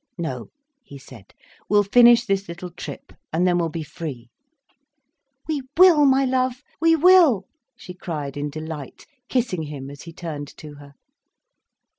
"No," he said. "We'll finish this little trip, and then we'll be free." "We will, my love, we will," she cried in delight, kissing him as he turned to her.